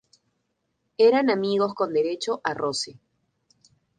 Eran amigos con derecho a roce